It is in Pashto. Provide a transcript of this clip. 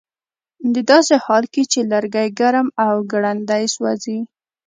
ه داسې حال کې چې لرګي ګرم او ګړندي سوځي